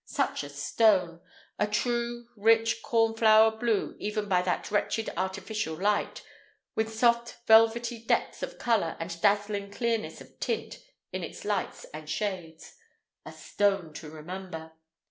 Such a stone! A true, rich, cornflower blue even by that wretched artificial light, with soft velvety depths of color and dazzling clearness of tint in its lights and shades—a stone to remember!